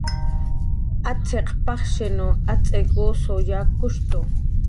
Atz'ik pajshinw atz'ik usuq yakkushtu